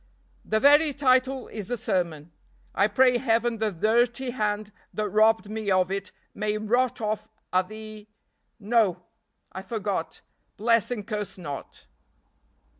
The very title is a sermon. I pray Heaven the dirty hand that robbed me of it may rot off at the no! I forgot. Bless and curse not!"